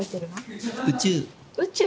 宇宙？